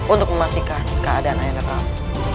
untuk memastikan keadaan ayahnya prabu